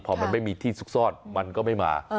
พอมันไม่มีที่ซุกซ่อนมันก็ไม่มา